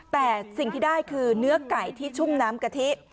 แต่สิ่งที่ได้คือเนื้อไก่ที่ชุ่มน้ำกะทิ